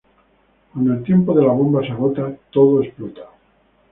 Cuando el tiempo de la bomba se agota todo explota.